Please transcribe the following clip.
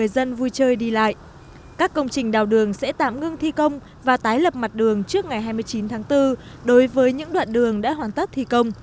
xin chào và hẹn gặp lại